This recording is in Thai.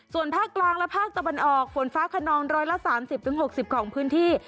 ส่วนภาคกลางและภาคตะวันออกฝนฟ้าขนอง๑๓๐๖๐ของพื้นที่